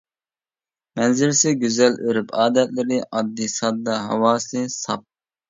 مەنزىرىسى گۈزەل، ئۆرپ-ئادەتلىرى ئاددىي-ساددا، ھاۋاسى ساپ.